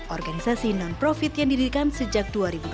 organisasi non profit yang didirikan sejak dua ribu dua belas